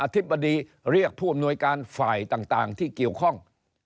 ธิบดีเรียกผู้อำนวยการฝ่ายต่างที่เกี่ยวข้อง